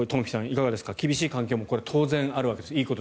いかがですか厳しい環境も当然あるわけです。